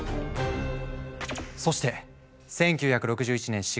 そして１９６１年４月。